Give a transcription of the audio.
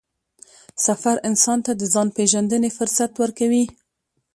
سفر انسان ته د ځان پېژندنې فرصت ورکوي